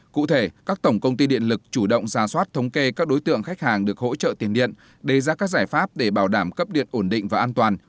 cụ thể các tổng công ty điện lực chủ động ra soát thống kê các đối tượng khách hàng được hỗ trợ tiền điện đề ra các giải pháp để bảo đảm cấp điện ổn định và an toàn